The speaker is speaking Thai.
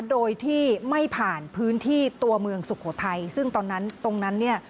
โดยที่ไม่ผ่านพื้นที่ตัวเมืองสุโขทัยซึ่งตอนนั้นตรงนั้นเนี่ย